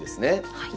はい。